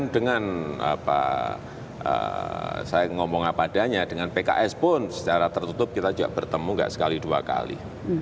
dengan saya ngomong apa adanya dengan pks pun secara tertutup kita juga bertemu nggak sekali dua kali